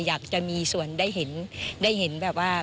อยากจะมีส่วนได้เห็นแบบว่า